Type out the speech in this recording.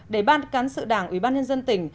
để ban cán sự đảng ubnd tỉnh